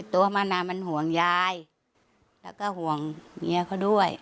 ตัวมันมันห่วงยายแล้วก็ห่วงเมียเขาด้วย